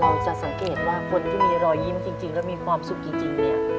เราจะสังเกตว่าคนที่มีรอยยิ้มจริงแล้วมีความสุขจริงเนี่ย